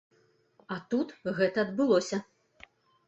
А тут гэта адбылося.